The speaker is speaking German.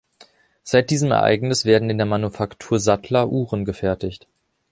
Seit diesem Ereignis werden in der Manufaktur Sattler Uhren gefertigt.